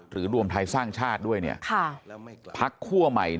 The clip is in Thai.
รวมไทยสร้างชาติด้วยพักคั่วใหม่